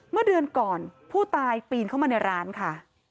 เมื่อเดือนก่อนผู้ตายปีนเข้ามาในร้านค่ะ